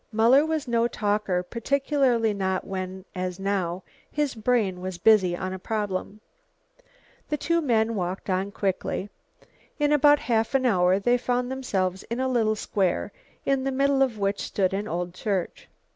Muller was no talker, particularly not when, as now, his brain was busy on a problem. The two men walked on quickly. In about half an hour they found themselves in a little square in the middle of which stood an old church.